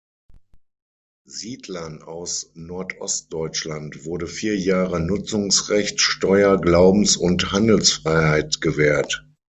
Siedlern aus Nordostdeutschland wurde vier Jahre Nutzungsrecht, Steuer-, Glaubens- und Handelsfreiheit gewährt.